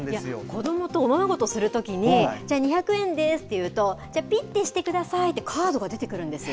子どもとおままごとするときに、じゃあ、２００円ですって言うと、じゃあ、ピッてしてくださいって、カードが出てくるんですよ。